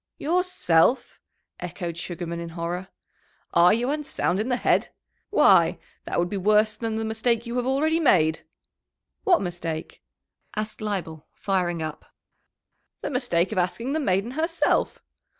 "Yourself!" echoed Sugarman, in horror. "Are you unsound in the head? Why, that would be worse than the mistake you have already made!" "What mistake?" asked Leibel, firing up. "The mistake of asking the maiden herself.